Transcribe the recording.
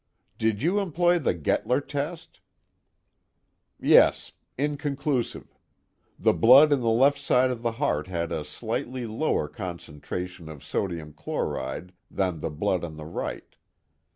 "Did you employ the Gettler test?" "Yes inconclusive. The blood in the left side of the heart had a slightly lower concentration of sodium chloride than the blood on the right.